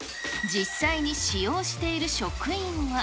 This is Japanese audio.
実際に使用している職員は。